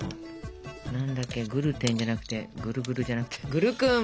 何だっけグルテンじゃなくてグルグルじゃなくてグルクン。